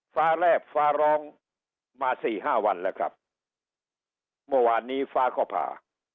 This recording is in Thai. แรบฟ้าร้องมาสี่ห้าวันแล้วครับเมื่อวานนี้ฟ้าก็ผ่า